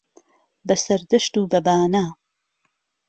به سهردهشت و به بانه